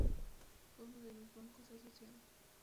Fue uno de los Bancos Asociados.